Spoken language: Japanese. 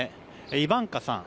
イバンカさん